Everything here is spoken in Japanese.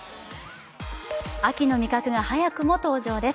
秋の味覚が早くも登場です。